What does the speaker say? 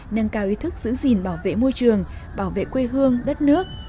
nâng cao ý thức giữ gìn bảo vệ môi trường bảo vệ quê hương đất nước